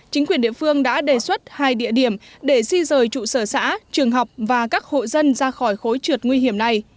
chính quyền địa phương đã đề xuất hai địa điểm để di rời trụ sở xã trường học và các hộ dân ra khỏi khối trượt nguy hiểm này